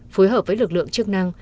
phối hợp với lực lượng chức năng